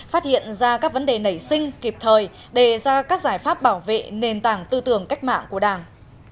phát hiện ra các vấn đề nảy sinh kịp thời đề ra các giải pháp bảo vệ nền tảng tư tưởng cách mạng của đảng